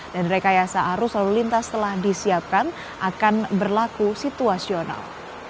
dan rekayasa arus lalu lintas telah disiapkan akan berlaku situasional